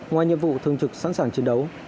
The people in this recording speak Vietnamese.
ngoài nhiệm vụ thường trực sẵn sàng chiến đấu